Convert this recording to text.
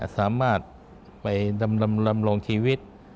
สามารถไปดำรงชีวิต